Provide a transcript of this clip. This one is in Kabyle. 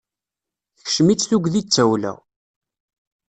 Tekcem-itt tudgi d tawla.